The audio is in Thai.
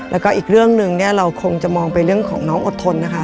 แล้วก็อีกเรื่องหนึ่งเนี่ยเราคงจะมองไปเรื่องของน้องอดทนนะคะ